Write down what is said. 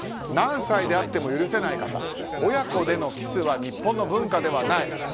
何歳であっても許せない方は親子でのキスは日本の文化ではない。